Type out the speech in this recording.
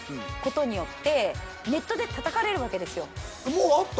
もうあった？